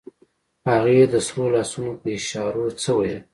هغې د سرو لاسونو په اشارو څه وويل.